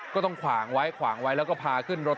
ก็ต้องขวางไว้ขวางไว้แล้วก็พาขึ้นรถทาง